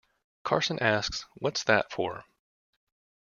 Carson asks What's that for?